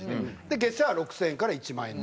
月謝は６０００円から１万円程度。